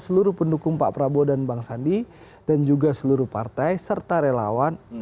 seluruh pendukung pak prabowo dan bang sandi dan juga seluruh partai serta relawan